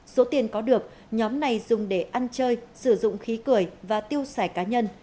số tiền có được nhóm này dùng để ăn chơi sử dụng khí cười và tiêu xài cá nhân